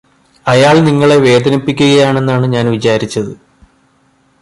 അയാള് നിങ്ങളെ വേദനിപ്പിക്കുകയാണെന്നാണ് ഞാന് വിചാരിച്ചത്